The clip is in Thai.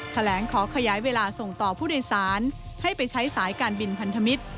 แถลงขอขยายเวลาส่งต่อผู้โดยสารให้ไปใช้สายการบินพันธมิตร